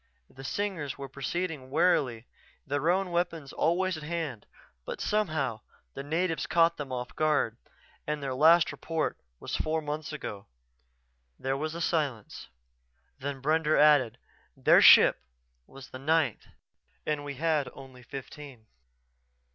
The Singers were proceeding warily, their own weapons always at hand. But, somehow, the natives caught them off guard their last report was four months ago." There was a silence, then Brender added, "Their ship was the ninth and we had only fifteen."